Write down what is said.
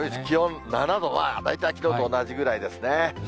気温７度は大体きのうと同じぐらいですね。